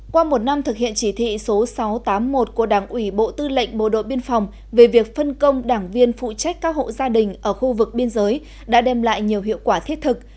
qua một năm thực hiện chỉ thị số sáu trăm tám mươi một của đảng ủy bộ tư lệnh bộ đội biên phòng về việc phân công đảng viên phụ trách các hộ gia đình ở khu vực biên giới đã đem lại nhiều hiệu quả thiết thực